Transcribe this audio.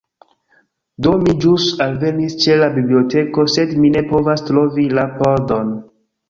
Do, mi ĵus alvenis ĉe la biblioteko sed mi ne povas trovi la pordon